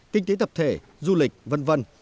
kinh tế tập thể du lịch v v